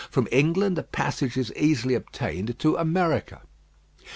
From England a passage is easily obtained to America.